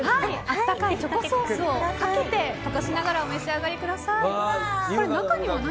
温かいチョコソースをかけて溶かしながらお召し上がりください。